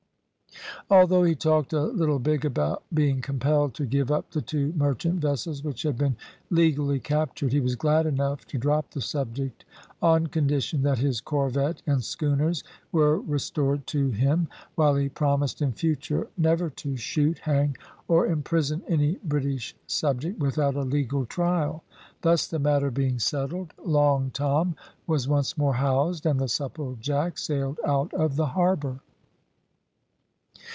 Although he talked a little big about being compelled to give up the two merchant vessels which had been legally captured, he was glad enough to drop the subject on condition that his corvette and schooners were restored to him, while he promised in future never to shoot, hang, or imprison any British subject without a legal trial; thus the matter being settled, "Long Tom" was once more housed, and the Supplejack sailed out of the harbour.